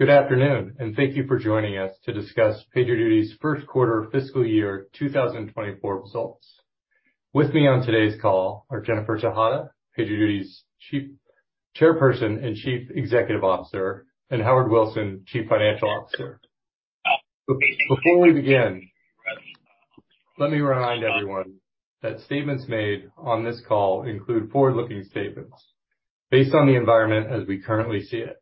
Good afternoon. Thank you for joining us to discuss PagerDuty's first quarter fiscal year 2024 results. With me on today's call are Jennifer Tejada, PagerDuty's Chairperson and Chief Executive Officer, and Howard Wilson, Chief Financial Officer. Before we begin, let me remind everyone that statements made on this call include forward-looking statements based on the environment as we currently see it,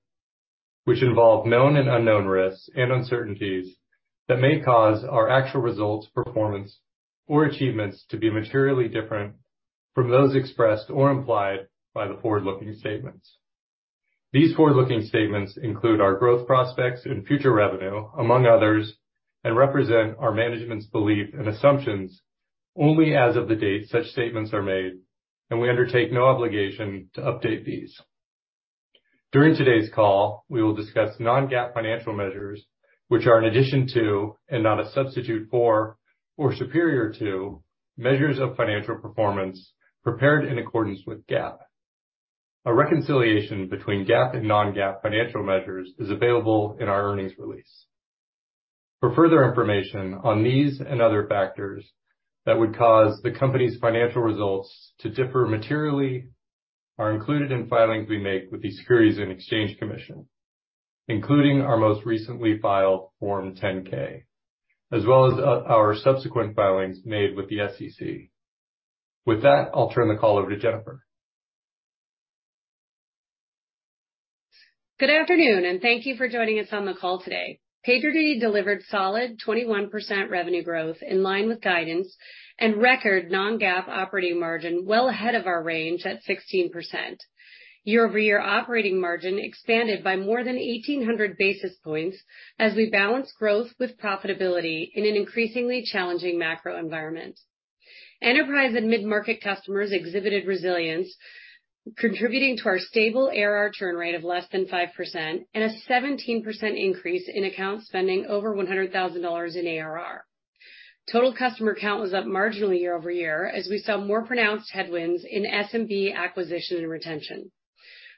which involve known and unknown risks and uncertainties that may cause our actual results, performance, or achievements to be materially different from those expressed or implied by the forward-looking statements. These forward-looking statements include our growth prospects and future revenue, among others, and represent our management's belief and assumptions only as of the date such statements are made, and we undertake no obligation to update these. During today's call, we will discuss non-GAAP financial measures, which are in addition to and not a substitute for or superior to measures of financial performance prepared in accordance with GAAP. A reconciliation between GAAP and non-GAAP financial measures is available in our earnings release. For further information on these and other factors that would cause the company's financial results to differ materially are included in filings we make with the Securities and Exchange Commission, including our most recently filed Form 10-K, as well as our subsequent filings made with the SEC. With that, I'll turn the call over to Jennifer. Good afternoon, and thank you for joining us on the call today. PagerDuty delivered solid 21% revenue growth in line with guidance and record non-GAAP operating margin well ahead of our range at 16%. Year-over-year operating margin expanded by more than 1,800 basis points as we balanced growth with profitability in an increasingly challenging macro environment. Enterprise and mid-market customers exhibited resilience, contributing to our stable ARR churn rate of less than 5% and a 17% increase in account spending over $100,000 in ARR. Total customer count was up marginally year-over-year, as we saw more pronounced headwinds in SMB acquisition and retention.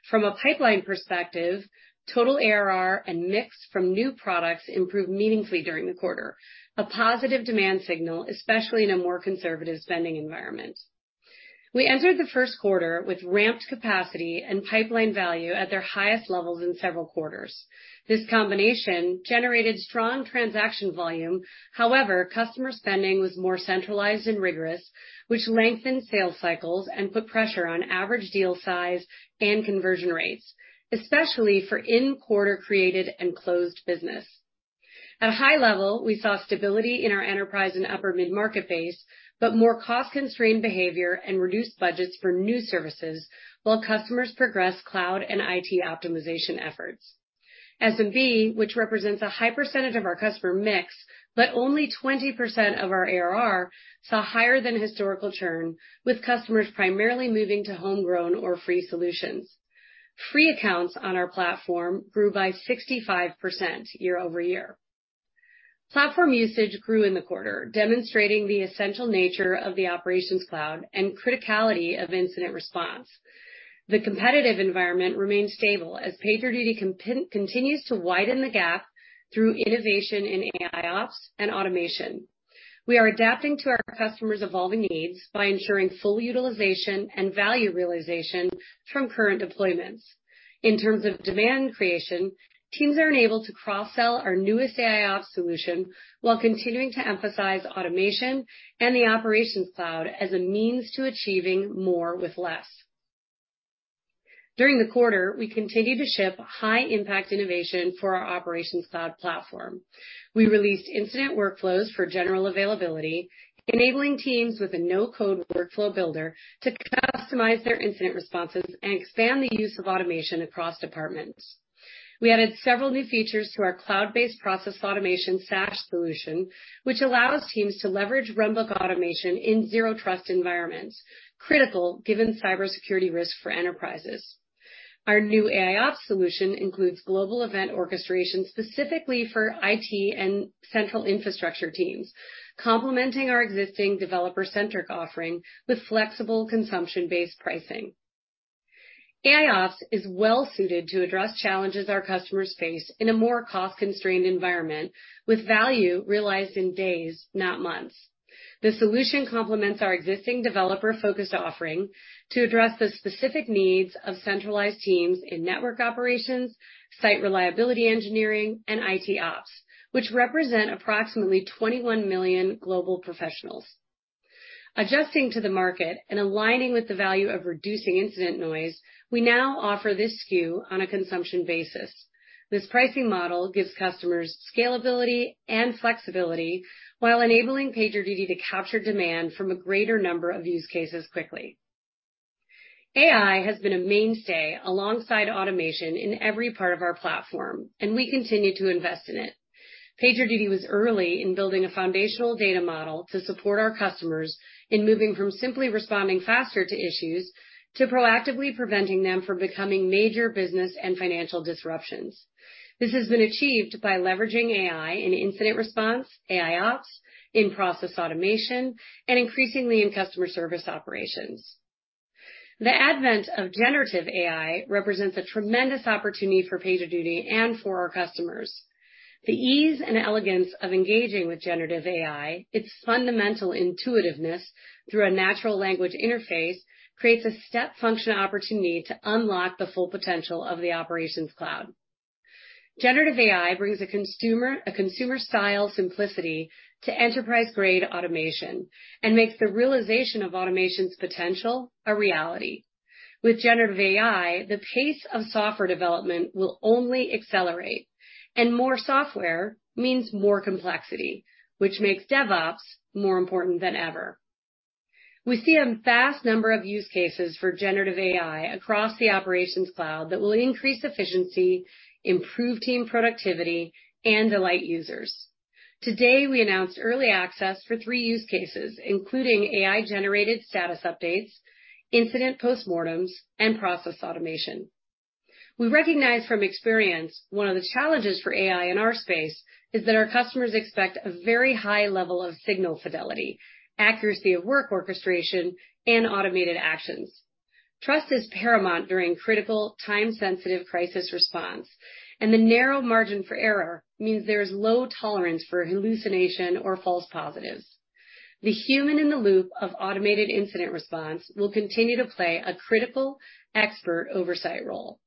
From a pipeline perspective, total ARR and mix from new products improved meaningfully during the quarter, a positive demand signal, especially in a more conservative spending environment. We entered the first quarter with ramped capacity and pipeline value at their highest levels in several quarters. This combination generated strong transaction volume. Customer spending was more centralized and rigorous, which lengthened sales cycles and put pressure on average deal size and conversion rates, especially for in-quarter created and closed business. At a high level, we saw stability in our enterprise and upper mid-market base, more cost-constrained behavior and reduced budgets for new services while customers progress cloud and IT optimization efforts. SMB, which represents a high percentage of our customer mix, but only 20% of our ARR, saw higher than historical churn, with customers primarily moving to homegrown or free solutions. Free accounts on our platform grew by 65% year-over-year. Platform usage grew in the quarter, demonstrating the essential nature of the Operations Cloud and criticality of Incident Response. The competitive environment remains stable as PagerDuty continues to widen the gap through innovation in AIOps and automation. We are adapting to our customers' evolving needs by ensuring full utilization and value realization from current deployments. In terms of demand creation, teams are enabled to cross-sell our newest AIOps solution while continuing to emphasize automation and the Operations Cloud as a means to achieving more with less. During the quarter, we continued to ship high-impact innovation for our Operations Cloud platform. We released Incident Workflows for general availability, enabling teams with a no-code workflow builder to customize their incident responses and expand the use of automation across departments. We added several new features to our cloud-based Process Automation SaaS solution, which allows teams to leverage runbook automation in zero-trust environments, critical given cybersecurity risk for enterprises. Our new AIOps solution includes Global Event Orchestration specifically for IT and central infrastructure teams, complementing our existing developer-centric offering with flexible consumption-based pricing. AIOps is well suited to address challenges our customers face in a more cost-constrained environment, with value realized in days, not months. The solution complements our existing developer-focused offering to address the specific needs of centralized teams in network operations, Site Reliability Engineering, and IT Ops, which represent approximately 21 million global professionals. Adjusting to the market and aligning with the value of reducing incident noise, we now offer this SKU on a consumption basis. This pricing model gives customers scalability and flexibility while enabling PagerDuty to capture demand from a greater number of use cases quickly. AI has been a mainstay alongside automation in every part of our platform, and we continue to invest in it. PagerDuty was early in building a foundational data model to support our customers in moving from simply responding faster to issues to proactively preventing them from becoming major business and financial disruptions. This has been achieved by leveraging AI in Incident Response, AIOps, in Process Automation, and increasingly in customer service operations. The advent of generative AI represents a tremendous opportunity for PagerDuty and for our customers. The ease and elegance of engaging with generative AI, its fundamental intuitiveness through a natural language interface, creates a step function opportunity to unlock the full potential of the Operations Cloud. Generative AI brings a consumer-style simplicity to enterprise-grade automation and makes the realization of automation's potential a reality. With generative AI, the pace of software development will only accelerate, and more software means more complexity, which makes DevOps more important than ever. We see a vast number of use cases for generative AI across the Operations Cloud that will increase efficiency, improve team productivity, and delight users. Today, we announced early access for three use cases, including AI-generated status updates, incident postmortems, and Process Automation. We recognize from experience, one of the challenges for AI in our space is that our customers expect a very high level of signal fidelity, accuracy of work orchestration, and automated actions. Trust is paramount during critical, time-sensitive crisis response, and the narrow margin for error means there is low tolerance for hallucination or false positives. The human in the loop of automated Incident Response will continue to play a critical expert oversight role.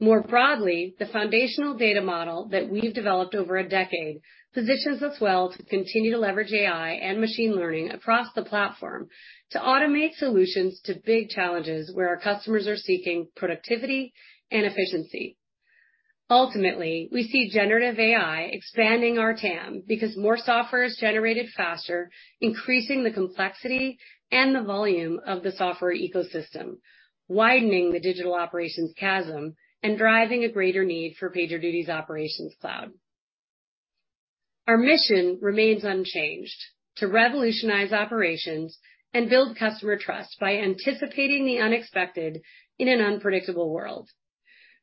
More broadly, the foundational data model that we've developed over a decade positions us well to continue to leverage AI and machine learning across the platform to automate solutions to big challenges where our customers are seeking productivity and efficiency. Ultimately, we see generative AI expanding our TAM because more software is generated faster, increasing the complexity and the volume of the software ecosystem, widening the digital operations chasm, and driving a greater need for PagerDuty's Operations Cloud. Our mission remains unchanged: to revolutionize operations and build customer trust by anticipating the unexpected in an unpredictable world.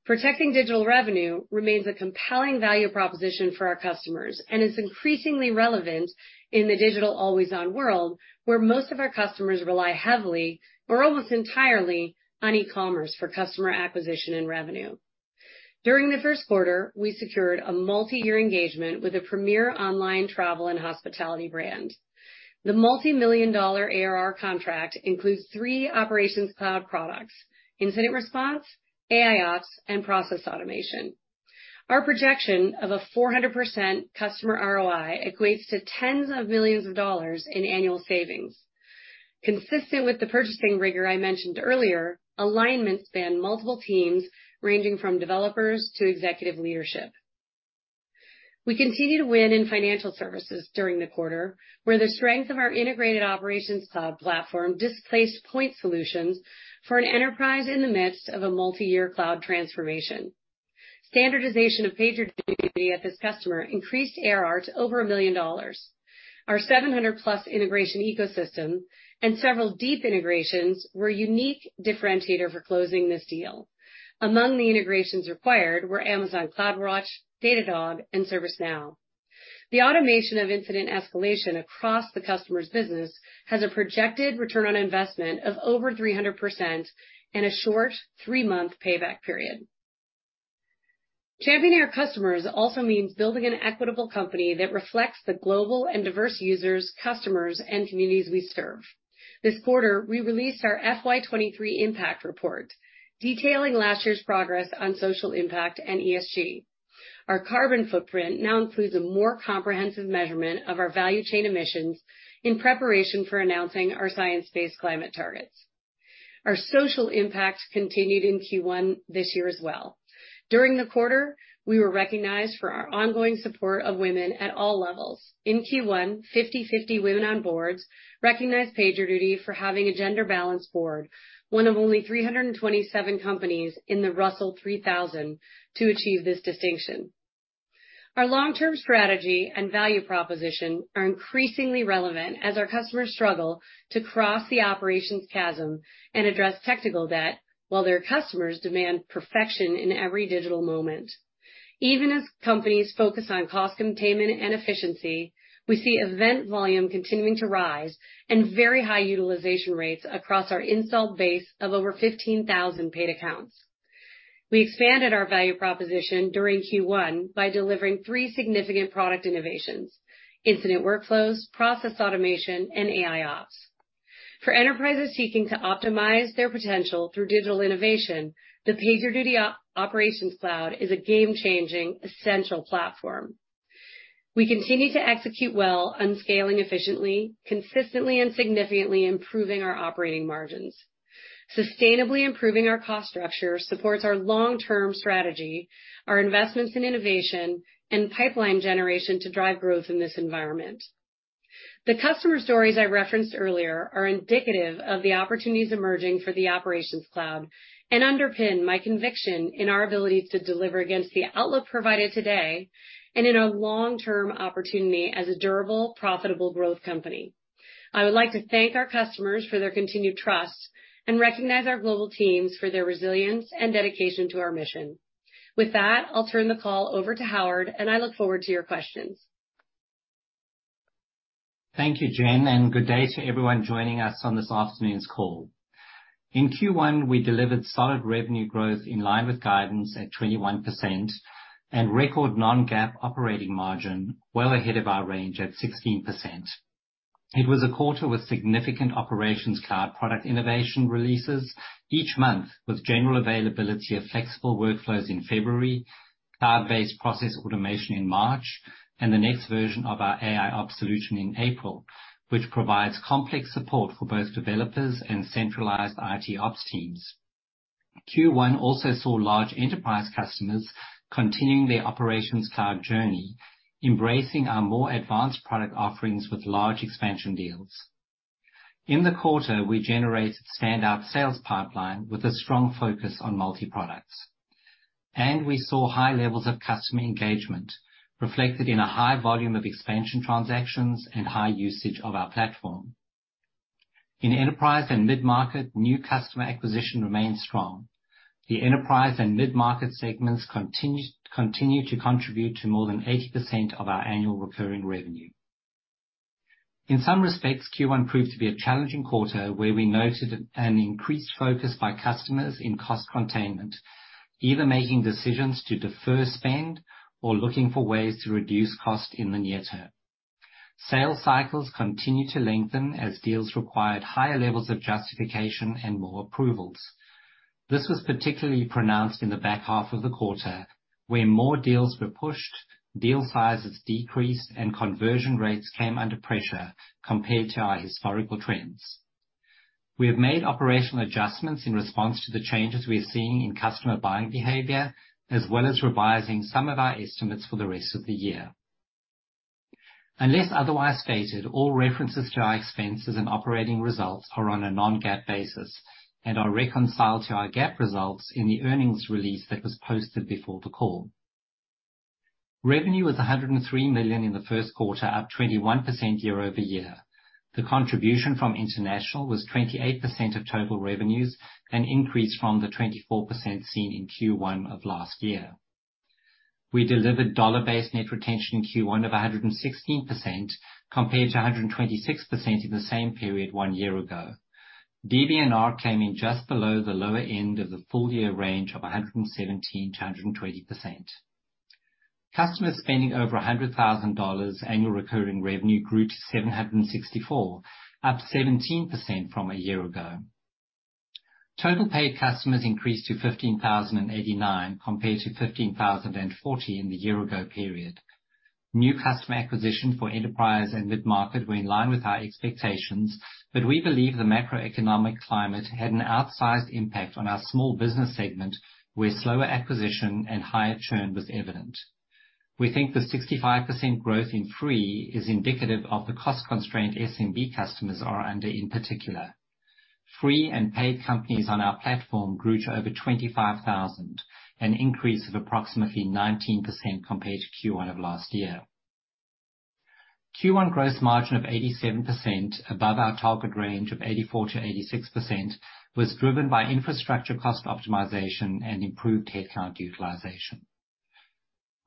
Protecting digital revenue remains a compelling value proposition for our customers and is increasingly relevant in the digital always-on world, where most of our customers rely heavily or almost entirely on e-commerce for customer acquisition and revenue. During the first quarter, we secured a multi-year engagement with a premier online travel and hospitality brand. The multimillion-dollar ARR contract includes three Operations Cloud products: Incident Response, AIOps, and Process Automation. Our projection of a 400% customer ROI equates to tens of millions of dollars in annual savings. Consistent with the purchasing rigor I mentioned earlier, alignment spanned multiple teams, ranging from developers to executive leadership. We continued to win in financial services during the quarter, where the strength of our integrated Operations Cloud platform displaced point solutions for an enterprise in the midst of a multi-year cloud transformation. Standardization of PagerDuty at this customer increased ARR to over $1 million. Our 700+ integration ecosystem and several deep integrations were a unique differentiator for closing this deal. Among the integrations required were Amazon CloudWatch, Datadog, and ServiceNow. The automation of incident escalation across the customer's business has a projected return on investment of over 300% and a short 3-month payback period. Championing our customers also means building an equitable company that reflects the global and diverse users, customers, and communities we serve. This quarter, we released our FY 2023 impact report, detailing last year's progress on social impact and ESG. Our carbon footprint now includes a more comprehensive measurement of our value chain emissions in preparation for announcing our science-based climate targets. Our social impacts continued in Q1 this year as well. During the quarter, we were recognized for our ongoing support of women at all levels. In Q1, 50/50 Women on Boards recognized PagerDuty for having a gender-balanced board, one of only 327 companies in the Russell 3000 to achieve this distinction. Our long-term strategy and value proposition are increasingly relevant as our customers struggle to cross the operations chasm and address technical debt, while their customers demand perfection in every digital moment. Even as companies focus on cost containment and efficiency, we see event volume continuing to rise and very high utilization rates across our installed base of over 15,000 paid accounts. We expanded our value proposition during Q1 by delivering 3 significant product innovations: Incident Workflows, Process Automation, and AIOps. For enterprises seeking to optimize their potential through digital innovation, the PagerDuty Operations Cloud is a game-changing, essential platform. We continue to execute well on scaling efficiently, consistently and significantly improving our operating margins. Sustainably improving our cost structure supports our long-term strategy, our investments in innovation, and pipeline generation to drive growth in this environment. The customer stories I referenced earlier are indicative of the opportunities emerging for the Operations Cloud and underpin my conviction in our ability to deliver against the outlook provided today and in a long-term opportunity as a durable, profitable growth company. I would like to thank our customers for their continued trust and recognize our global teams for their resilience and dedication to our mission. With that, I'll turn the call over to Howard, and I look forward to your questions. Thank you, Jen, and good day to everyone joining us on this afternoon's call. In Q1, we delivered solid revenue growth in line with guidance at 21%, and record non-GAAP operating margin well ahead of our range at 16%. It was a quarter with significant operations, cloud product innovation releases each month, with general availability of flexible workflows in February, cloud-based Process Automation in March, and the next version of our AIOps solution in April, which provides complex support for both developers and centralized IT ops teams. Q1 also saw large enterprise customers continuing their operations cloud journey, embracing our more advanced product offerings with large expansion deals. In the quarter, we generated standout sales pipeline with a strong focus on multi-products, and we saw high levels of customer engagement reflected in a high volume of expansion transactions and high usage of our platform. In enterprise and mid-market, new customer acquisition remains strong. The enterprise and mid-market segments continue to contribute to more than 80% of our annual recurring revenue. In some respects, Q1 proved to be a challenging quarter, where we noted an increased focus by customers in cost containment, either making decisions to defer spend or looking for ways to reduce costs in the near term. Sales cycles continued to lengthen as deals required higher levels of justification and more approvals. This was particularly pronounced in the back half of the quarter, where more deals were pushed, deal sizes decreased, and conversion rates came under pressure compared to our historical trends. We have made operational adjustments in response to the changes we are seeing in customer buying behavior, as well as revising some of our estimates for the rest of the year. Unless otherwise stated, all references to our expenses and operating results are on a non-GAAP basis and are reconciled to our GAAP results in the earnings release that was posted before the call. Revenue was $103 million in the first quarter, up 21% year-over-year. The contribution from international was 28% of total revenues, an increase from the 24% seen in Q1 of last year. We delivered dollar-based net retention in Q1 of 116%, compared to 126% in the same period one year ago. DBNR came in just below the lower end of the full year range of 117%-120%. Customer spending over $100,000 Annual Recurring Revenue grew to 764, up 17% from a year ago. Total paid customers increased to 15,089, compared to 15,040 in the year-ago period. New customer acquisition for enterprise and mid-market were in line with our expectations. We believe the macroeconomic climate had an outsized impact on our small business segment, where slower acquisition and higher churn was evident. We think the 65% growth in free is indicative of the cost constraint SMB customers are under, in particular. Free and paid companies on our platform grew to over 25,000, an increase of approximately 19% compared to Q1 of last year. Q1 gross margin of 87% above our target range of 84%-86%, was driven by infrastructure cost optimization and improved headcount utilization.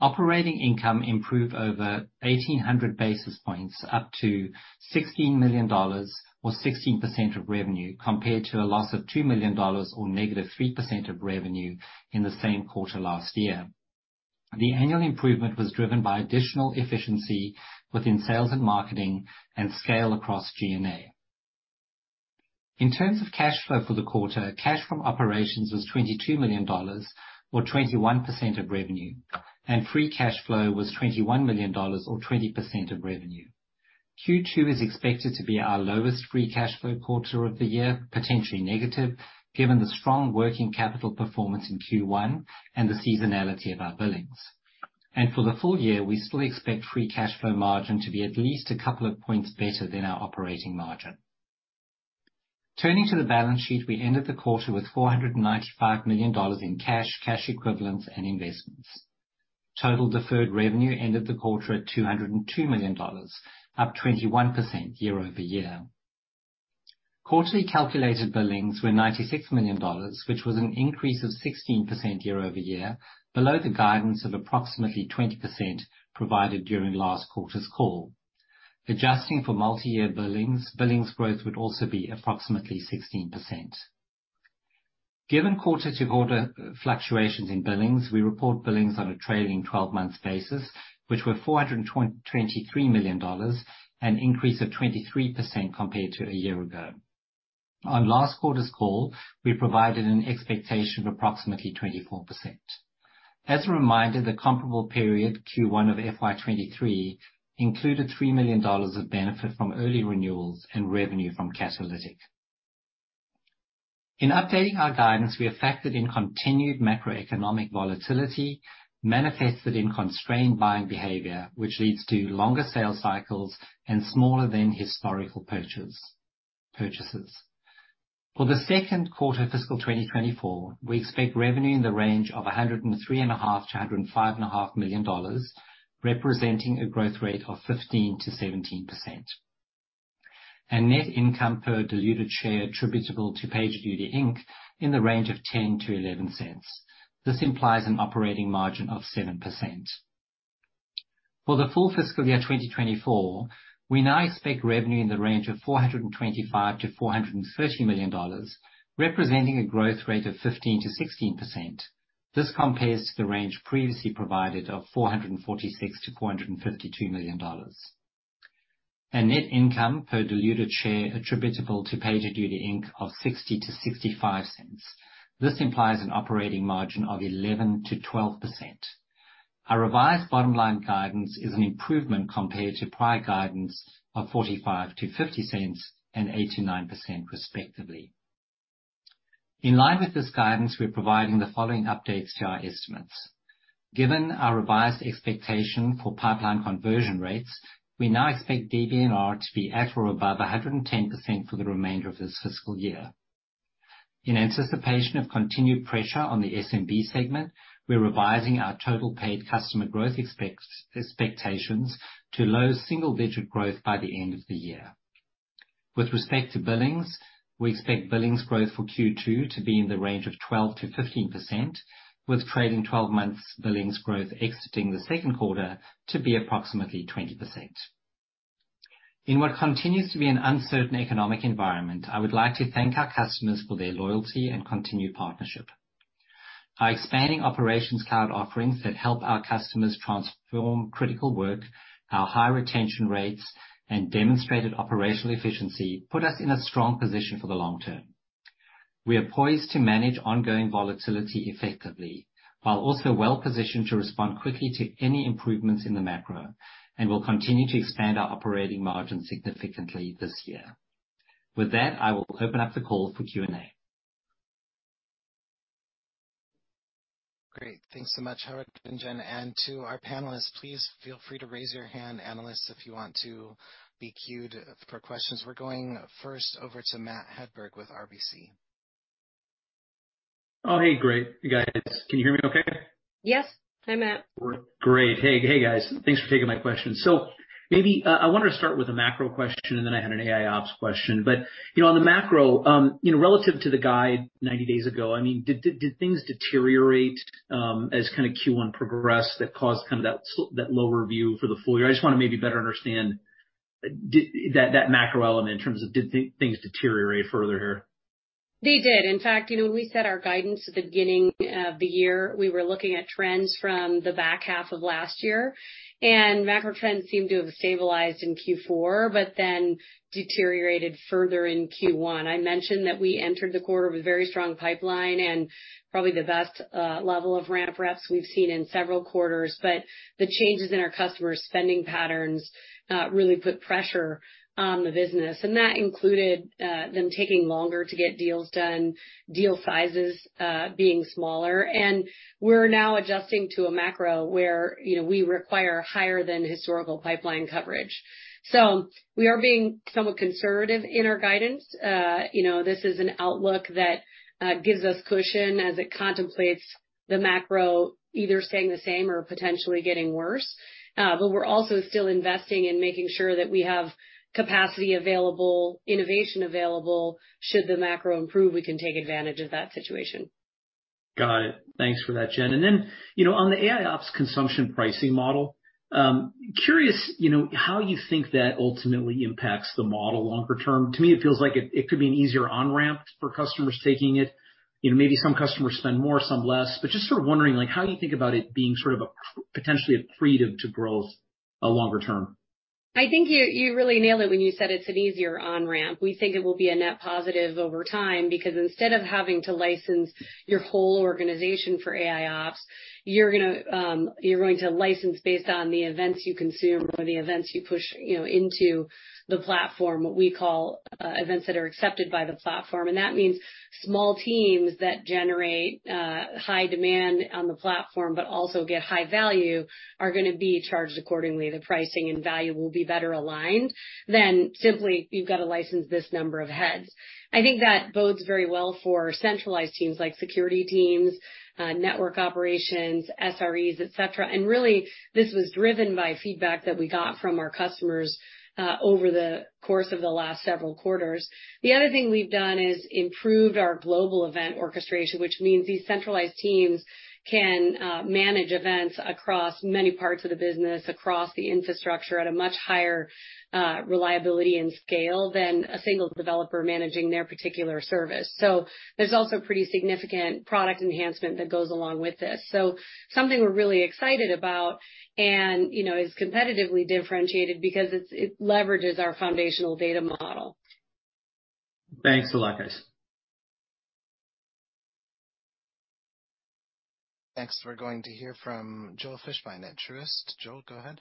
Operating income improved over 1,800 basis points, up to $16 million or 16% of revenue, compared to a loss of $2 million or negative 3% of revenue in the same quarter last year. The annual improvement was driven by additional efficiency within sales and marketing and scale across G&A. In terms of cash flow for the quarter, cash from operations was $22 million, or 21% of revenue, and free cash flow was $21 million or 20% of revenue. Q2 is expected to be our lowest free cash flow quarter of the year, potentially negative, given the strong working capital performance in Q1 and the seasonality of our billings. For the full year, we still expect free cash flow margin to be at least a couple of points better than our operating margin. Turning to the balance sheet, we ended the quarter with $495 million in cash equivalents and investments. Total deferred revenue ended the quarter at $202 million, up 21% year-over-year. Quarterly calculated billings were $96 million, which was an increase of 16% year-over-year, below the guidance of approximately 20% provided during last quarter's call. Adjusting for multi-year billings growth would also be approximately 16%. Given quarter-to-quarter fluctuations in billings, we report billings on a trailing twelve-month basis, which were $423 million, an increase of 23% compared to a year ago. On last quarter's call, we provided an expectation of approximately 24%. As a reminder, the comparable period, Q1 of FY 2023, included $3 million of benefit from early renewals and revenue from Catalytic. In updating our guidance, we have factored in continued macroeconomic volatility manifested in constrained buying behavior, which leads to longer sales cycles and smaller than historical purchases. For the second quarter fiscal 2024, we expect revenue in the range of $103 and a half million-$105 and a half million, representing a growth rate of 15%-17%. Net income per diluted share attributable to PagerDuty, Inc. in the range of $0.10-$0.11. This implies an operating margin of 7%. For the full FY 2024, we now expect revenue in the range of $425 million-$430 million, representing a growth rate of 15%-16%. Net income per diluted share attributable to PagerDuty, Inc. of $0.60-$0.65. This implies an operating margin of 11%-12%. Our revised bottom line guidance is an improvement compared to prior guidance of $0.45-$0.50 and 89% respectively. In line with this guidance, we're providing the following updates to our estimates: Given our revised expectation for pipeline conversion rates, we now expect DBNR to be at or above 110% for the remainder of this fiscal year. In anticipation of continued pressure on the SMB segment, we're revising our total paid customer growth expectations to low single-digit growth by the end of the year. With respect to billings, we expect billings growth for Q2 to be in the range of 12%-15%, with trailing 12 months billings growth exiting the second quarter to be approximately 20%. In what continues to be an uncertain economic environment, I would like to thank our customers for their loyalty and continued partnership. Our expanding Operations Cloud offerings that help our customers transform critical work, our high retention rates, and demonstrated operational efficiency put us in a strong position for the long term. We are poised to manage ongoing volatility effectively, while also well-positioned to respond quickly to any improvements in the macro. We'll continue to expand our operating margin significantly this year. With that, I will open up the call for Q&A. Great. Thanks so much, Howard and Jen, and to our panelists, please feel free to raise your hand, analysts, if you want to be queued for questions. We're going first over to Matt Hedberg with RBC. Oh, hey, great, you guys. Can you hear me okay? Yes. Hi, Matt. Great. Hey, hey, guys, thanks for taking my question. Maybe, I wanted to start with a macro question, and then I had an AIOps question. You know, on the macro, you know, relative to the guide 90 days ago, I mean, did things deteriorate as kind of Q1 progressed that caused kind of that lower view for the full year? I just want to maybe better understand that macro element in terms of did things deteriorate further here? They did. In fact, you know, when we set our guidance at the beginning of the year, we were looking at trends from the back half of last year. Macro trends seemed to have stabilized in Q4, deteriorated further in Q1. I mentioned that we entered the quarter with very strong pipeline and probably the best level of ramp reps we've seen in several quarters. The changes in our customers' spending patterns really put pressure on the business, and that included them taking longer to get deals done, deal sizes being smaller. We're now adjusting to a macro where, you know, we require higher than historical pipeline coverage. We are being somewhat conservative in our guidance. You know, this is an outlook that gives us cushion as it contemplates the macro either staying the same or potentially getting worse. We're also still investing in making sure that we have capacity available, innovation available. Should the macro improve, we can take advantage of that situation. Got it. Thanks for that, Jen. You know, on the AIOps consumption pricing model, curious, you know, how you think that ultimately impacts the model longer term? To me, it feels like it could be an easier on-ramp for customers taking it. You know, maybe some customers spend more, some less, but just sort of wondering, like, how you think about it being sort of a, potentially a creative to growth, longer term. I think you really nailed it when you said it's an easier on-ramp. We think it will be a net positive over time, because instead of having to license your whole organization for AIOps, you're gonna license based on the events you consume or the events you push, you know, into the platform, what we call events that are accepted by the platform. That means small teams that generate high demand on the platform but also get high value, are gonna be charged accordingly. The pricing and value will be better aligned than simply, "You've got to license this number of heads." I think that bodes very well for centralized teams like security teams, network operations, SREs, et cetera. Really, this was driven by feedback that we got from our customers over the course of the last several quarters. The other thing we've done is improved our Global Event Orchestration, which means these centralized teams can manage events across many parts of the business, across the infrastructure, at a much higher reliability and scale than a single developer managing their particular service. There's also pretty significant product enhancement that goes along with this. Something we're really excited about and, you know, is competitively differentiated because it leverages our foundational data model. Thanks a lot, guys. Next, we're going to hear from Joel Fishbein at Truist. Joel, go ahead.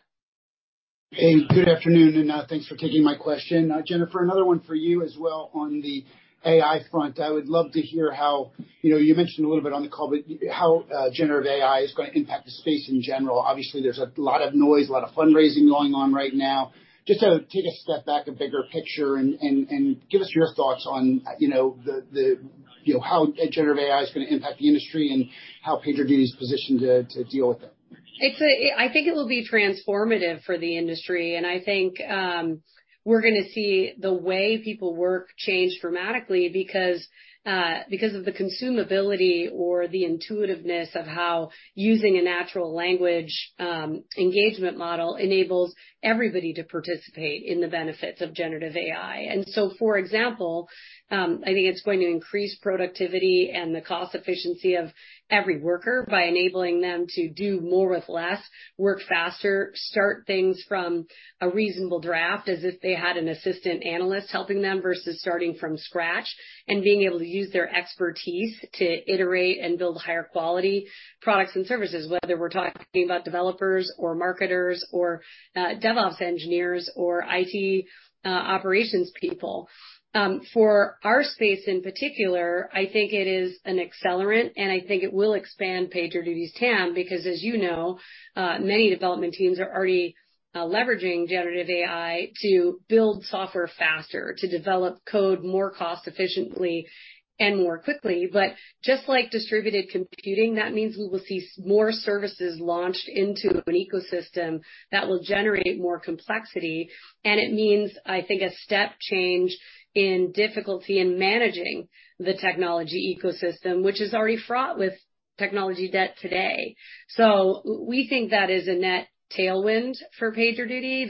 Hey, good afternoon, and thanks for taking my question. Jennifer, another one for you as well on the AI front. I would love to hear how You know, you mentioned a little bit on the call, but how generative AI is going to impact the space in general. Obviously, there's a lot of noise, a lot of fundraising going on right now. Just take a step back, a bigger picture, and give us your thoughts on, you know, the, you know, how generative AI is going to impact the industry and how PagerDuty is positioned to deal with it. It's a, I think it will be transformative for the industry, and I think, we're gonna see the way people work change dramatically because of the consumability or the intuitiveness of how using a natural language, engagement model enables everybody to participate in the benefits of generative AI. For example, I think it's going to increase productivity and the cost efficiency of every worker by enabling them to do more with less, work faster, start things from a reasonable draft, as if they had an assistant analyst helping them versus starting from scratch, and being able to use their expertise to iterate and build higher quality products and services, whether we're talking about developers or marketers or, DevOps engineers or IT, operations people. For our space, in particular, I think it is an accelerant, and I think it will expand PagerDuty's TAM, because, as you know, many development teams are already leveraging generative AI to build software faster, to develop code more cost efficiently and more quickly. Just like distributed computing, that means we will see more services launched into an ecosystem that will generate more complexity. It means, I think, a step change in difficulty in managing the technology ecosystem, which is already fraught with technology debt today. We think that is a net tailwind for PagerDuty,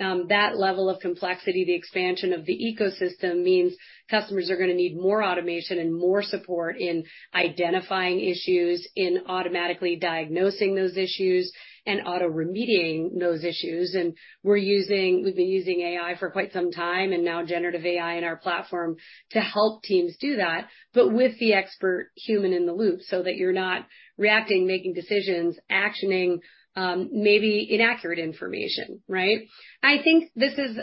that level of complexity, the expansion of the ecosystem, means customers are gonna need more automation and more support in identifying issues, in automatically diagnosing those issues and auto-remediating those issues. We've been using AI for quite some time, and now generative AI in our platform to help teams do that, but with the expert human in the loop, so that you're not reacting, making decisions, actioning, maybe inaccurate information, right? I think this is,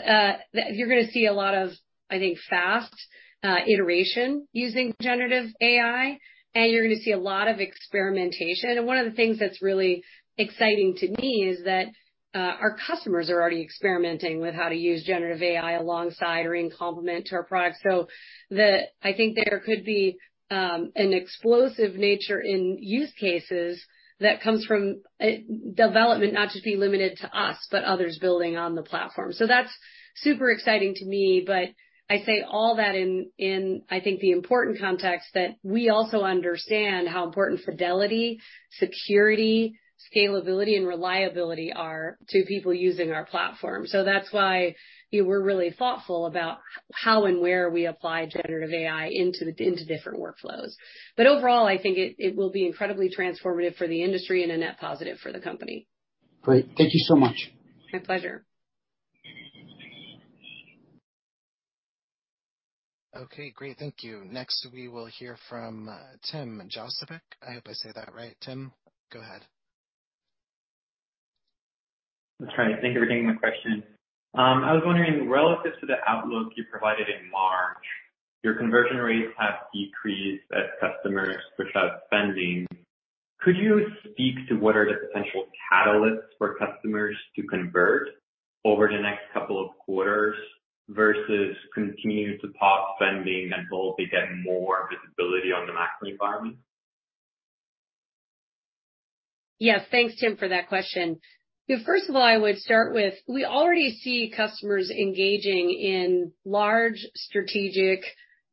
you're gonna see a lot of, I think, fast, iteration using generative AI, and you're gonna see a lot of experimentation. One of the things that's really exciting to me is that our customers are already experimenting with how to use generative AI alongside or in complement to our products. I think there could be an explosive nature in use cases that comes from development, not just be limited to us, but others building on the platform. That's super exciting to me. I say all that in, I think, the important context, that we also understand how important fidelity, security, scalability, and reliability are to people using our platform. That's why we're really thoughtful about how and where we apply generative AI into different workflows. Overall, I think it will be incredibly transformative for the industry and a net positive for the company. Great. Thank you so much. My pleasure. Okay, great. Thank you. Next, we will hear from Tim Pusnik-Jausovec. I hope I said that right. Tim, go ahead. That's right. Thank you for taking my question. I was wondering, relative to the outlook you provided in March, your conversion rates have decreased as customers push out spending. Could you speak to what are the potential catalysts for customers to convert over the next couple of quarters versus continuing to pause spending until they get more visibility on the macro environment? Yes. Thanks, Tim, for that question. First of all, I would start with, we already see customers engaging in large strategic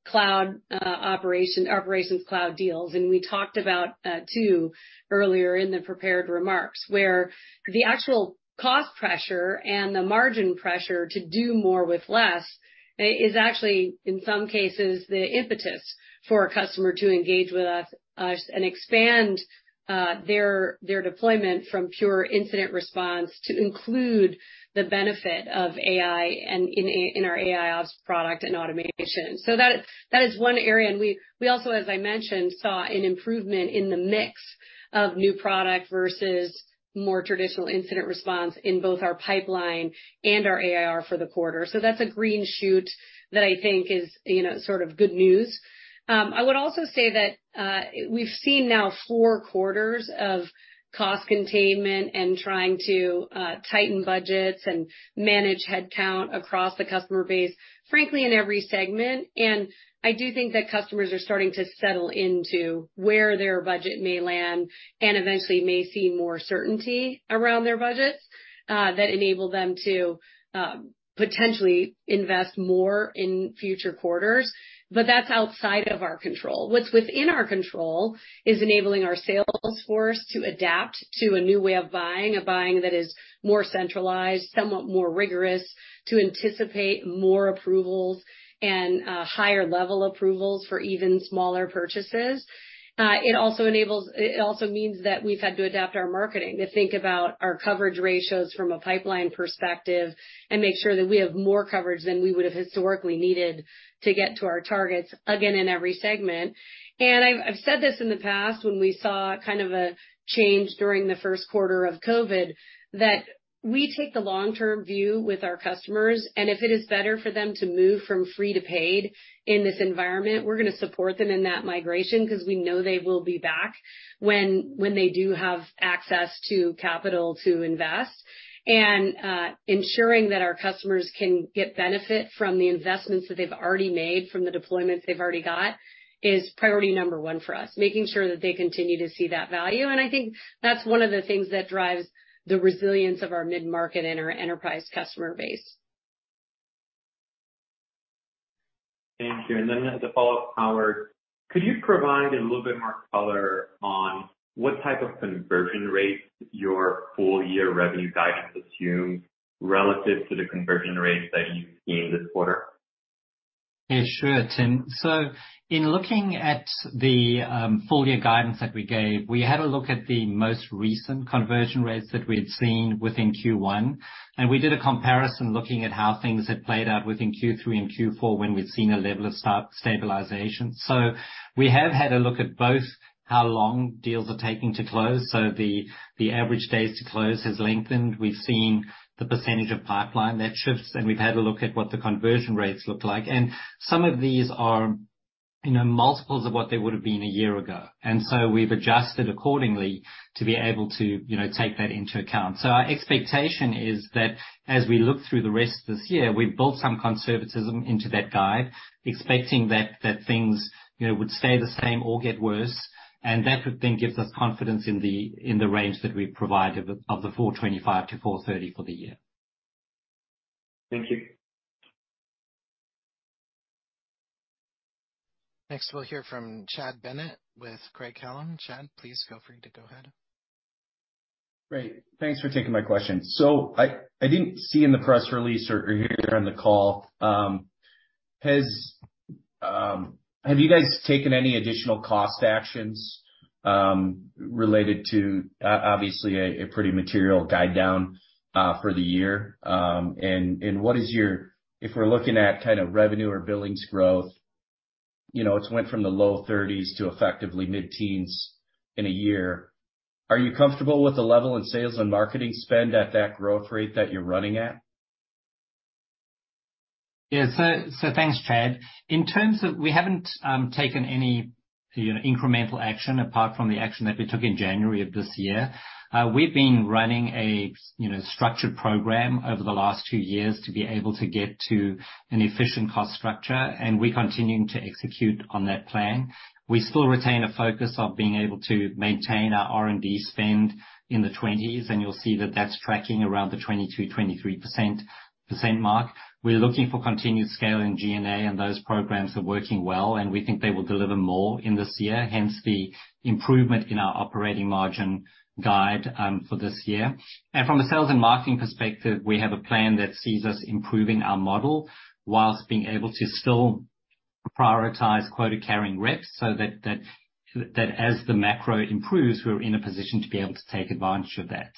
cloud, Operations Cloud deals, and we talked about that, too, earlier in the prepared remarks, where the actual cost pressure and the margin pressure to do more with less is actually, in some cases, the impetus for a customer to engage with us and expand their deployment from pure Incident Response to include the benefit of AI and in our AIOps product and automation. That is one area. We also, as I mentioned, saw an improvement in the mix of new product versus more traditional Incident Response in both our pipeline and our ARR for the quarter. That's a green shoot that I think is, you know, sort of good news. I would also say that we've seen now four quarters of cost containment and trying to tighten budgets and manage headcount across the customer base, frankly, in every segment. I do think that customers are starting to settle into where their budget may land and eventually may see more certainty around their budgets that enable them to potentially invest more in future quarters. That's outside of our control. What's within our control is enabling our sales force to adapt to a new way of buying, a buying that is more centralized, somewhat more rigorous, to anticipate more approvals and higher level approvals for even smaller purchases. It also means that we've had to adapt our marketing to think about our coverage ratios from a pipeline perspective and make sure that we have more coverage than we would have historically needed to get to our targets, again, in every segment. I've said this in the past, when we saw kind of a change during the first quarter of COVID, that we take the long-term view with our customers, and if it is better for them to move from free to paid in this environment, we're gonna support them in that migration, because we know they will be back when they do have access to capital to invest. Ensuring that our customers can get benefit from the investments that they've already made, from the deployments they've already got, is priority number one for us, making sure that they continue to see that value. I think that's one of the things that drives the resilience of our mid-market and our enterprise customer base. Thank you. Then as a follow-up, Howard, could you provide a little bit more color on what type of conversion rates your full year revenue guidance assumes relative to the conversion rates that you've seen this quarter? Yeah, sure, Tim. In looking at the full year guidance that we gave, we had a look at the most recent conversion rates that we had seen within Q1, and we did a comparison looking at how things had played out within Q3 and Q4 when we'd seen a level of stabilization. We have had a look at both how long deals are taking to close, so the average days to close has lengthened. We've seen the percentage of pipeline that shifts, and we've had a look at what the conversion rates look like. Some of these are, you know, multiples of what they would have been a year ago, we've adjusted accordingly to be able to, you know, take that into account. Our expectation is that as we look through the rest of this year, we've built some conservatism into that guide, expecting that things, you know, would stay the same or get worse, and that would then give us confidence in the range that we've provided of the $425-$430 for the year. Thank you. Next, we'll hear from Chad Bennett with Craig-Hallum. Chad, please feel free to go ahead. Great. Thanks for taking my question. I didn't see in the press release or hear on the call, have you guys taken any additional cost actions related to obviously a pretty material guide down for the year? What is, if we're looking at kind of revenue or billings growth, you know, it's went from the low 30s to effectively mid-teens in a year. Are you comfortable with the level in sales and marketing spend at that growth rate that you're running at? Thanks, Chad. In terms of we haven't taken any, you know, incremental action apart from the action that we took in January of this year. We've been running a, you know, structured program over the last two years to be able to get to an efficient cost structure, and we're continuing to execute on that plan. We still retain a focus of being able to maintain our R&D spend in the 20s, and you'll see that that's tracking around the 22%-23% mark. We're looking for continued scale in G&A, and those programs are working well, and we think they will deliver more in this year, hence the improvement in our operating margin guide for this year. From a sales and marketing perspective, we have a plan that sees us improving our model whilst being able to still prioritize quota-carrying reps, so that as the macro improves, we're in a position to be able to take advantage of that.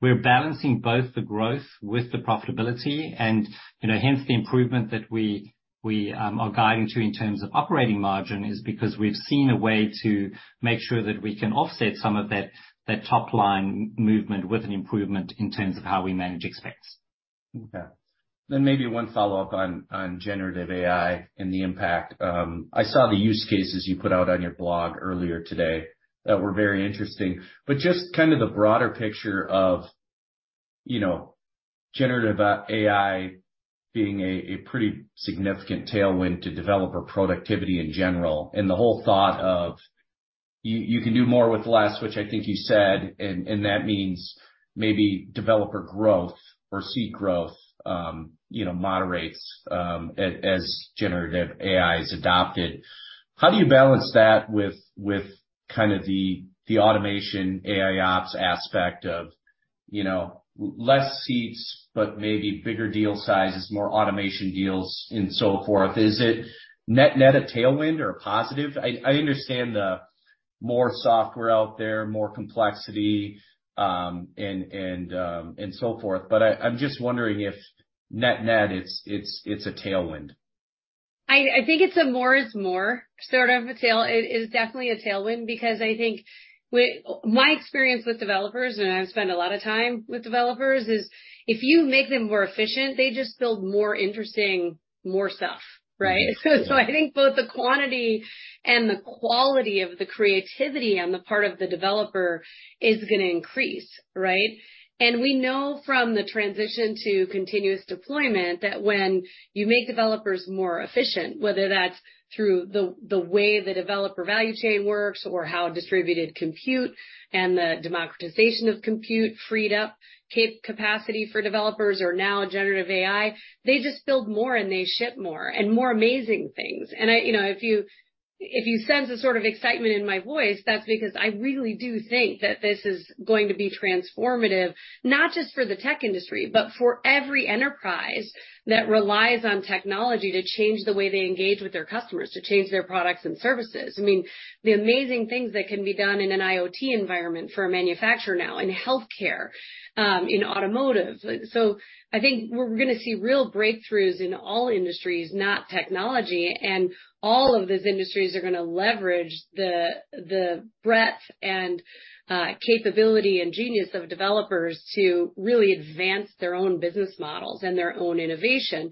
We're balancing both the growth with the profitability. You know, hence the improvement that we are guiding to in terms of operating margin is because we've seen a way to make sure that we can offset some of that top line movement with an improvement in terms of how we manage expense. Okay. Maybe one follow-up on generative AI and the impact. I saw the use cases you put out on your blog earlier today that were very interesting, but just kind of the broader picture of, you know, generative AI being a pretty significant tailwind to developer productivity in general, and the whole thought of you can do more with less, which I think you said, and that means maybe developer growth or seed growth, you know, moderates as generative AI is adopted. How do you balance that with kind of the automation AIOps aspect of, you know, less seats, but maybe bigger deal sizes, more automation deals, and so forth? Is it net-net a tailwind or a positive? I understand the more software out there, more complexity, and so forth, but I'm just wondering if net-net, it's a tailwind. I think it's a more is more sort of a tail. It is definitely a tailwind because I think my experience with developers, and I've spent a lot of time with developers, is if you make them more efficient, they just build more interesting, more stuff, right? I think both the quantity and the quality of the creativity on the part of the developer is going to increase, right? We know from the transition to continuous deployment, that when you make developers more efficient, whether that's through the way the developer value chain works, or how distributed compute and the democratization of compute freed up capacity for developers, or now generative AI, they just build more, and they ship more and more amazing things. I. You know, if you sense a sort of excitement in my voice, that's because I really do think that this is going to be transformative, not just for the tech industry, but for every enterprise that relies on technology to change the way they engage with their customers, to change their products and services. I mean, the amazing things that can be done in an IoT environment for a manufacturer now, in healthcare, in automotive. I think we're gonna see real breakthroughs in all industries, not technology, and all of those industries are gonna leverage the breadth and capability and genius of developers to really advance their own business models and their own innovation.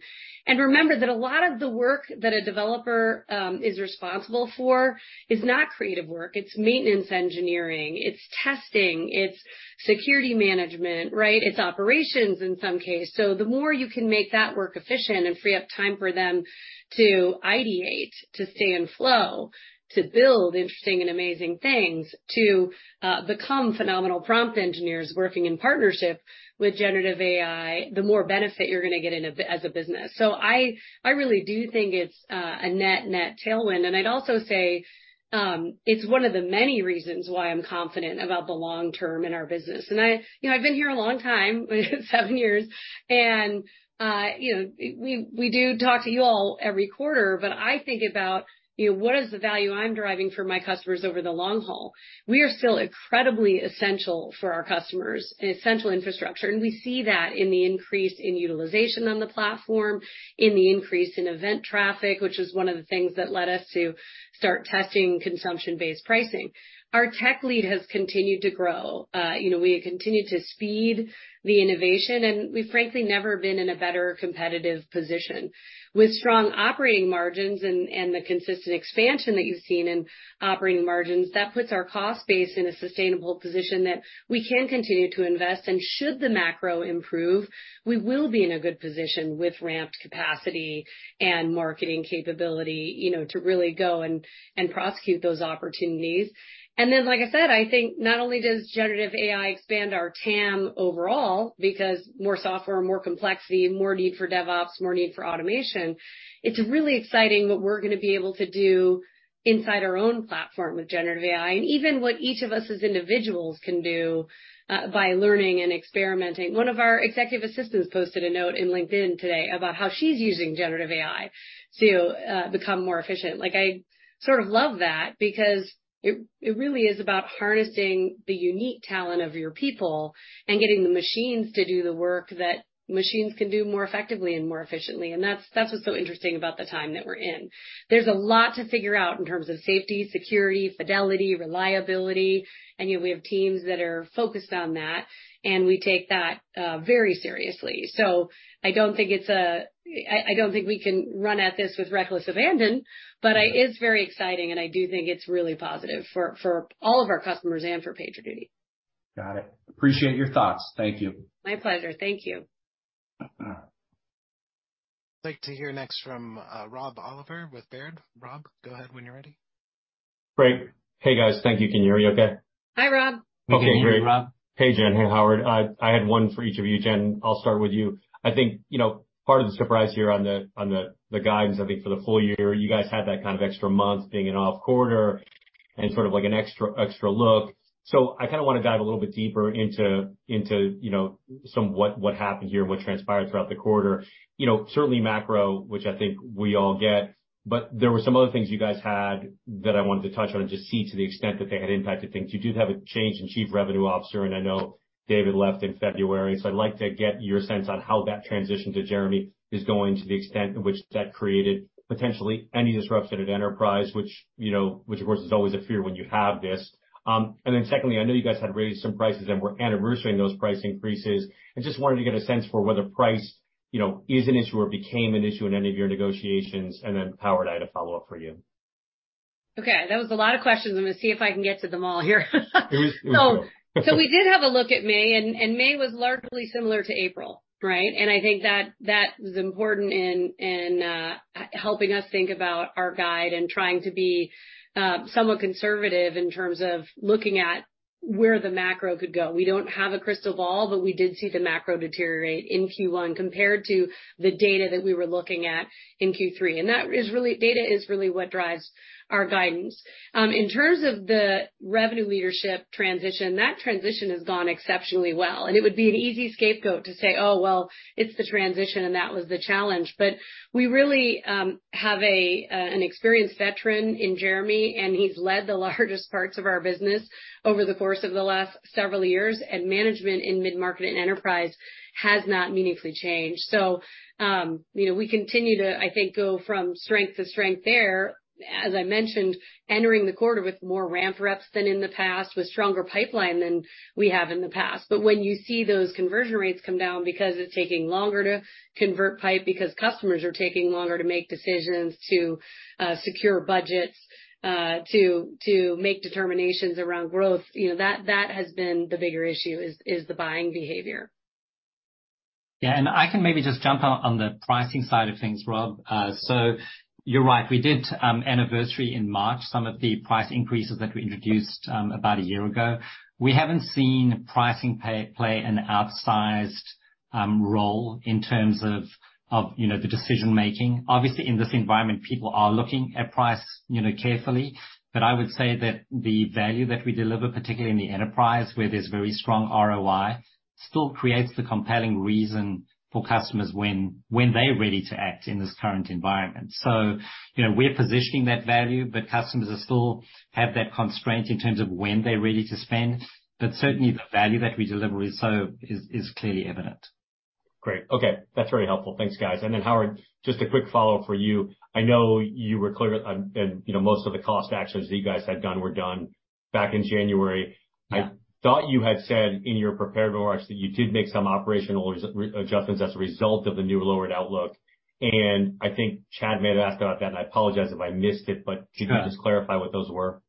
Remember that a lot of the work that a developer is responsible for is not creative work, it's maintenance engineering, it's testing, it's security management, right? It's operations in some cases. The more you can make that work efficient and free up time for them to ideate, to stay in flow, to build interesting and amazing things, to become phenomenal prompt engineers working in partnership with generative AI, the more benefit you're gonna get as a business. I really do think it's a net-net tailwind. I'd also say. It's one of the many reasons why I'm confident about the long term in our business. I, you know, I've been here a long time, seven years, and, you know, we do talk to you all every quarter, but I think about, you know, what is the value I'm driving for my customers over the long haul? We are still incredibly essential for our customers, essential infrastructure, and we see that in the increase in utilization on the platform, in the increase in event traffic, which is one of the things that led us to start testing consumption-based pricing. Our tech lead has continued to grow. you know, we continue to speed the innovation, and we've frankly never been in a better competitive position. With strong operating margins and the consistent expansion that you've seen in operating margins, that puts our cost base in a sustainable position that we can continue to invest, and should the macro improve, we will be in a good position with ramped capacity and marketing capability, you know, to really go and prosecute those opportunities. Like I said, I think not only does generative AI expand our TAM overall, because more software, more complexity, more need for DevOps, more need for automation, it's really exciting what we're gonna be able to do inside our own platform with generative AI, and even what each of us as individuals can do, by learning and experimenting. One of our executive assistants posted a note in LinkedIn today about how she's using generative AI to become more efficient. Like, I sort of love that because it really is about harnessing the unique talent of your people and getting the machines to do the work that machines can do more effectively and more efficiently, and that's what's so interesting about the time that we're in. There's a lot to figure out in terms of safety, security, fidelity, reliability, and yet we have teams that are focused on that, and we take that very seriously. I don't think we can run at this with reckless abandon, but it's very exciting, and I do think it's really positive for all of our customers and for PagerDuty. Got it. Appreciate your thoughts. Thank you. My pleasure. Thank you. I'd like to hear next from, Rob Oliver with Baird. Rob, go ahead when you're ready. Great. Hey, guys. Thank you. Can you hear me okay? Hi, Rob. Okay, great. We can hear you, Rob. Hey, Jen. Hey, Howard. I had one for each of you. Jen, I'll start with you. I think, you know, part of the surprise here on the guidance, I think, for the full year, you guys had that kind of extra month being an off quarter and sort of like an extra look. I kind of want to dive a little bit deeper into, you know, What happened here and what transpired throughout the quarter. You know, certainly macro, which I think we all get, but there were some other things you guys had that I wanted to touch on and just see to the extent that they had impacted things. You do have a change in chief revenue officer, and I know David left in February, so I'd like to get your sense on how that transition to Jeremy is going, to the extent to which that created potentially any disruption at Enterprise, which, you know, which, of course, is always a fear when you have this. Secondly, I know you guys had raised some prices and were anniversarying those price increases. I just wanted to get a sense for whether price, you know, is an issue or became an issue in any of your negotiations. Then, Howard, I had a follow-up for you. Okay, that was a lot of questions. I'm going to see if I can get to them all here. It is. We did have a look at May, and May was largely similar to April, right? I think that is important in helping us think about our guide and trying to be somewhat conservative in terms of looking at where the macro could go. We don't have a crystal ball, but we did see the macro deteriorate in Q1 compared to the data that we were looking at in Q3, and that is data is really what drives our guidance. In terms of the revenue leadership transition, that transition has gone exceptionally well, and it would be an easy scapegoat to say, "Oh, well, it's the transition, and that was the challenge." We really have an experienced veteran in Jeremy, and he's led the largest parts of our business over the course of the last several years, and management in mid-market and enterprise has not meaningfully changed. You know, we continue to, I think, go from strength to strength there. As I mentioned, entering the quarter with more ramp reps than in the past, with stronger pipeline than we have in the past. When you see those conversion rates come down because it's taking longer to convert pipe, because customers are taking longer to make decisions, to secure budgets, to make determinations around growth, you know, that has been the bigger issue is the buying behavior. Yeah, I can maybe just jump on the pricing side of things, Rob. You're right, we did anniversary in March, some of the price increases that we introduced about a year ago. We haven't seen pricing play an outsized role in terms of, you know, the decision making. Obviously, in this environment, people are looking at price, you know, carefully. I would say that the value that we deliver, particularly in the enterprise, where there's very strong ROI, still creates the compelling reason for customers when they're ready to act in this current environment. You know, we're positioning that value, but customers are still have that constraint in terms of when they're ready to spend. Certainly, the value that we deliver is clearly evident. Great. Okay, that's very helpful. Thanks, guys. Howard, just a quick follow-up for you. I know you were clear, and you know, most of the cost actions that you guys had done were done back in January. Yeah. I thought you had said in your prepared remarks that you did make some operational re- adjustments as a result of the new lowered outlook. I think Chad may have asked about that. I apologize if I missed it. Sure. Could you just clarify what those were?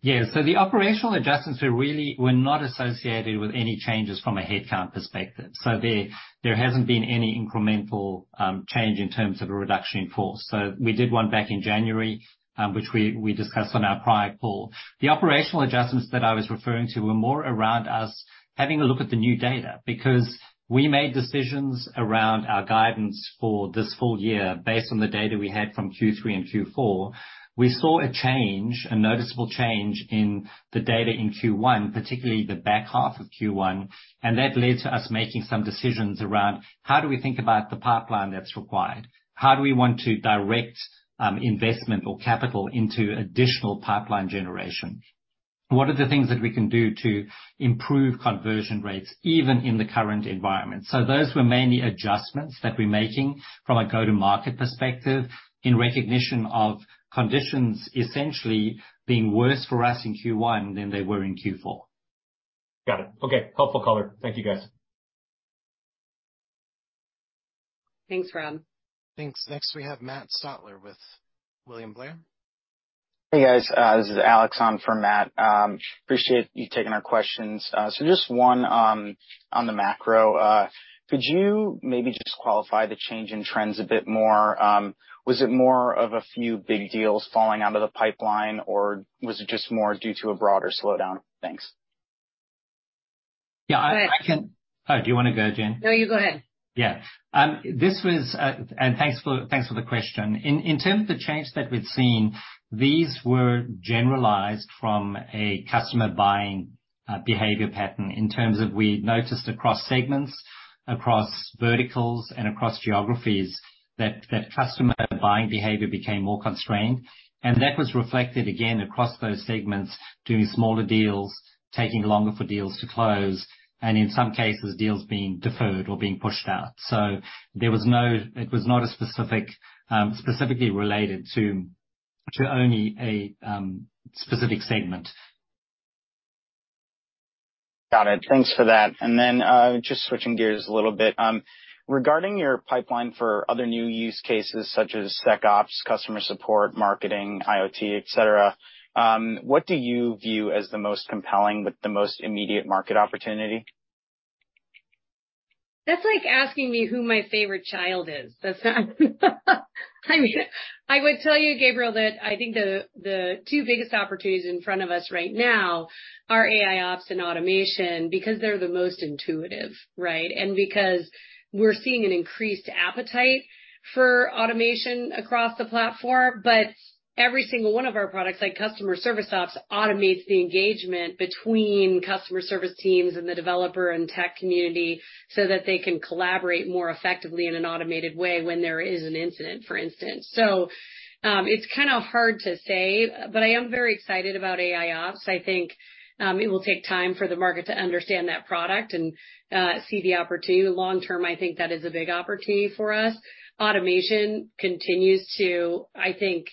Yeah, the operational adjustments were not associated with any changes from a headcount perspective. There hasn't been any incremental change in terms of a reduction in force. We did one back in January, which we discussed on our prior call. The operational adjustments that I was referring to were more around us having a look at the new data, because we made decisions around our guidance for this full year based on the data we had from Q3 and Q4. We saw a change, a noticeable change, in the data in Q1, particularly the back half of Q1. That led to us making some decisions around: How do we think about the pipeline that's required? How do we want to direct investment or capital into additional pipeline generation? What are the things that we can do to improve conversion rates even in the current environment? Those were mainly adjustments that we're making from a go-to-market perspective, in recognition of conditions essentially being worse for us in Q1 than they were in Q4. Got it. Okay. Helpful color. Thank you, guys. Thanks, Rob. Thanks. Next, we have Matt Stotler with William Blair. Hey, guys. This is Alex on for Matt. Appreciate you taking our questions. Just one on the macro. Could you maybe just qualify the change in trends a bit more? Was it more of a few big deals falling out of the pipeline, or was it just more due to a broader slowdown? Thanks. Yeah, I Go ahead. Oh, do you wanna go, Jen? No, you go ahead. Yeah. This was. Thanks for the question. In terms of the change that we've seen, these were generalized from a customer buying behavior pattern. In terms of we noticed across segments, across verticals, and across geographies, that customer buying behavior became more constrained. That was reflected again across those segments, doing smaller deals, taking longer for deals to close, and in some cases, deals being deferred or being pushed out. It was not a specific, specifically related to only a specific segment. Got it. Thanks for that. Just switching gears a little bit, regarding your pipeline for other new use cases such as SecOps, customer support, marketing, IoT, et cetera, what do you view as the most compelling, but the most immediate market opportunity? That's like asking me who my favorite child is. I mean, I would tell you, Gabriel, that I think the two biggest opportunities in front of us right now are AIOps and automation, because they're the most intuitive, right? Because we're seeing an increased appetite for automation across the platform. Every single one of our products, like Customer Service Ops, automates the engagement between customer service teams and the developer and tech community, so that they can collaborate more effectively in an automated way when there is an incident, for instance. It's kind of hard to say, but I am very excited about AIOps. I think it will take time for the market to understand that product and see the opportunity. Long term, I think that is a big opportunity for us. Automation continues to, I think,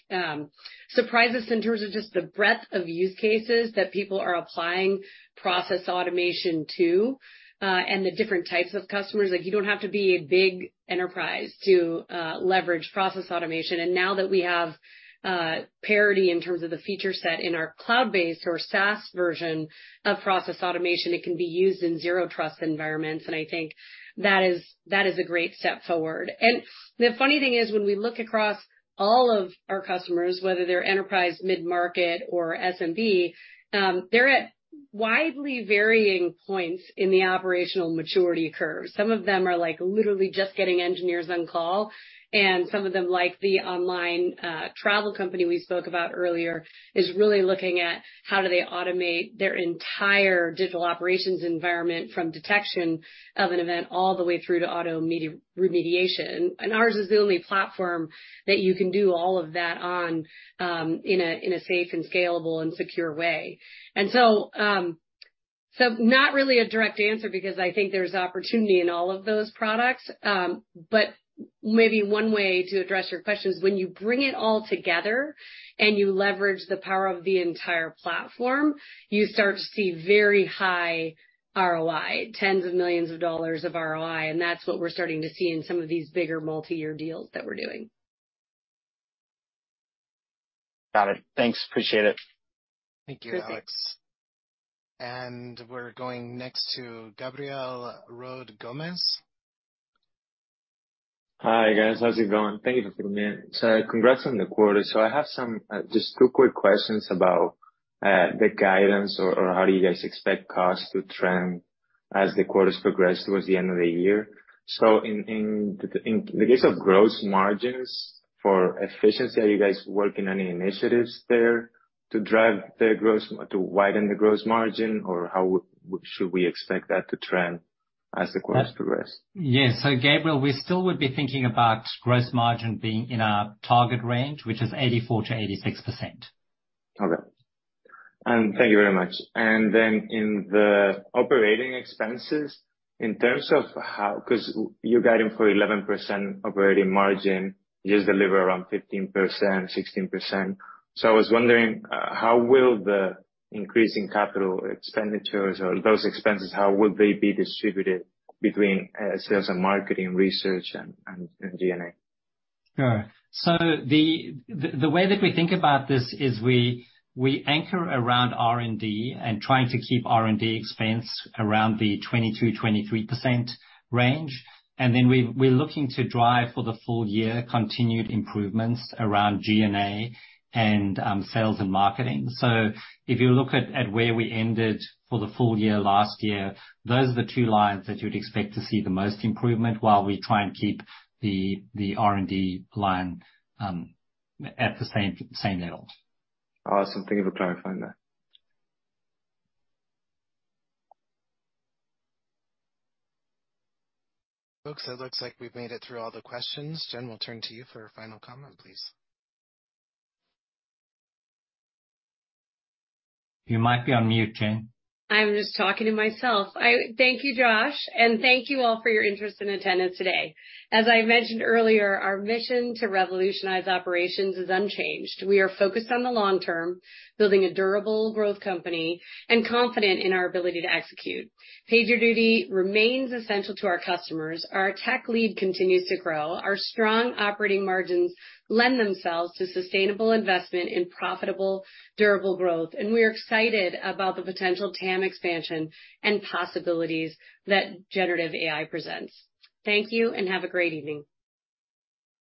surprise us in terms of just the breadth of use cases that people are applying Process Automation to, and the different types of customers. Like, you don't have to be a big enterprise to leverage Process Automation. Now that we have parity in terms of the feature set in our cloud-based or SaaS version of Process Automation, it can be used in zero trust environments, and I think that is, that is a great step forward. The funny thing is, when we look across all of our customers, whether they're enterprise, mid-market, or SMB, they're at widely varying points in the operational maturity curve. Some of them are, like, literally just getting engineers on call, and some of them, like the online, travel company we spoke about earlier, is really looking at how do they automate their entire digital operations environment, from detection of an event, all the way through to auto remediation. Ours is the only platform that you can do all of that on, in a safe and scalable and secure way. So not really a direct answer, because I think there's opportunity in all of those products. Maybe one way to address your question is, when you bring it all together and you leverage the power of the entire platform, you start to see very high ROI, tens of millions of dollars of ROI, and that's what we're starting to see in some of these bigger multi-year deals that we're doing. Got it. Thanks. Appreciate it. Great, thanks. Thank you, Alex. We're going next to Gabriel Roade Gomez. Hi, guys. How's it going? Thank you for coming in. Congrats on the quarter. I have just 2 quick questions about the guidance or how do you guys expect costs to trend as the quarters progress towards the end of the year. In the case of gross margins, for efficiency, are you guys working on any initiatives there to widen the gross margin, or how should we expect that to trend as the quarters progress? Yes. Gabriel, we still would be thinking about gross margin being in our target range, which is 84%-86%. Okay. Thank you very much. In the operating expenses, in terms of because you're guiding for 11% operating margin, you just deliver around 15%, 16%. I was wondering how will the increase in capital expenditures or those expenses, how will they be distributed between sales and marketing, research and G&A? Sure. The way that we think about this is we anchor around R&D and trying to keep R&D expense around the 22%-23% range. Then we're looking to drive for the full year, continued improvements around G&A and sales and marketing. If you look at where we ended for the full year last year, those are the two lines that you'd expect to see the most improvement, while we try and keep the R&D line at the same levels. Awesome. Thank you for clarifying that. Folks, it looks like we've made it through all the questions. Jen, we'll turn to you for a final comment, please. You might be on mute, Jen. I'm just talking to myself. Thank you, Josh, and thank you all for your interest and attendance today. As I mentioned earlier, our mission to revolutionize operations is unchanged. We are focused on the long term, building a durable growth company, and confident in our ability to execute. PagerDuty remains essential to our customers. Our tech lead continues to grow. Our strong operating margins lend themselves to sustainable investment in profitable, durable growth. We're excited about the potential TAM expansion and possibilities that generative AI presents. Thank you, and have a great evening.